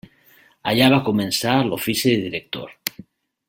Allà va començar l'ofici de director.